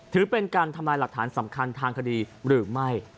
ถือเป็นการทำลายหลักฐานสำคัญทางคดีหรือไม่